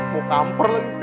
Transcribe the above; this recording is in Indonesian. mau kamper lagi